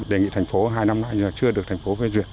đề nghị thành phố hai năm nay chưa được thành phố phê duyệt